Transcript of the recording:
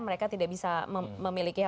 mereka tidak bisa memiliki